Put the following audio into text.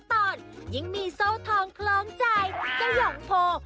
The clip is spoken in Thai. ตอนยิ่งมีโซท้องคล้องใจเจ้าหย่อโห